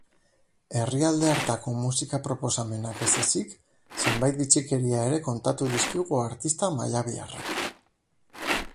Herrialde hartako musika-proposamenak ez ezik, zenbait bitxikeria ere kontatu dizkigu artista mallabiarrak.